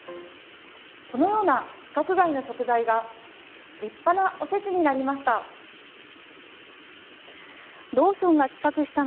このような規格外の食材が立派なお節になりました。